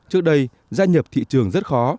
trước đây gia nhập thị trường rất khó